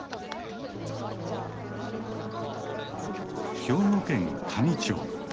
兵庫県香美町。